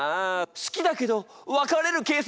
好きだけど別れるケースもあるんだね！